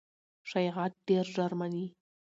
شایعات ډېر ژر مني.